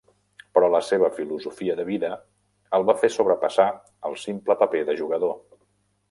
Però la seva filosofia de vida el va fer sobrepassar el simple paper de jugador.